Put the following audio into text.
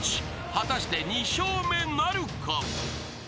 ［果たして２笑目なるか？］